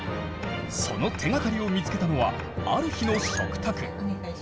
その手がかりを見つけたのはある日の食卓。